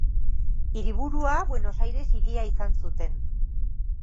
Hiriburua Buenos Aires hiria izan zuten.